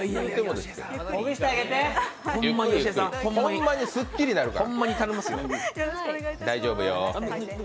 ほんまにすっきりなるから、大丈夫よ。